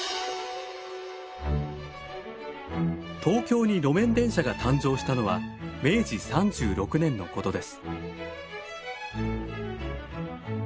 東京に路面電車が誕生したのは明治３６年のことです。